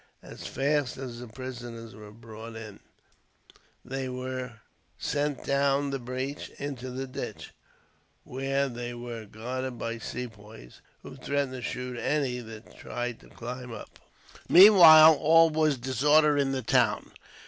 As fast as the prisoners were brought in, they were sent down the breach into the ditch, where they were guarded by Sepoys, who threatened to shoot any that tried to climb up. Meanwhile, all was disorder in the town.